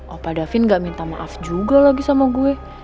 opa davin gak minta maaf juga lagi sama gue